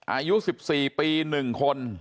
อายุ๑๔ปี๑คน